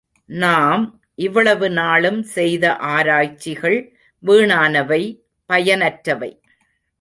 நாம் இவ்வளவு நாளும் செய்த ஆராய்ச்சிகள் வீணானவை, பயனற்றவை.